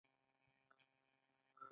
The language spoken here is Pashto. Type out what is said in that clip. د صادر شویو توکو بیه یې ټیټه وي